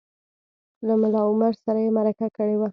له ملا عمر سره یې مرکه کړې وه